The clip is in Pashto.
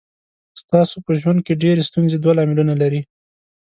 ستاسو په ژوند کې ډېرې ستونزې دوه لاملونه لري.